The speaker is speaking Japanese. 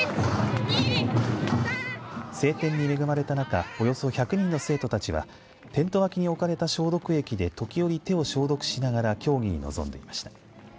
晴天に恵まれた中およそ１００人の生徒たちはテント脇に置かれた消毒液で時折、手を消毒しながら競技に臨んでいました。